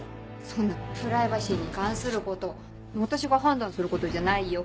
そんなプライバシーに関すること私が判断することじゃないよ。